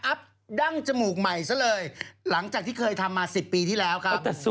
ดั้งจมูกใหม่ซะเลยหลังจากที่เคยทำมา๑๐ปีที่แล้วครับ